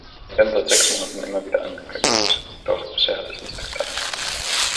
Sie werden seit sechs Monaten immer wieder angekündigt, doch bisher hat sich nichts getan.